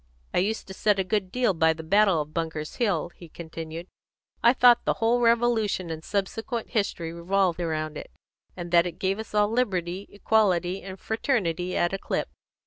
"I used to set a good deal by the battle of Bunker's Hill," he continued. "I thought the whole Revolution and subsequent history revolved round it, and that it gave us all liberty, equality, and fraternity at a clip.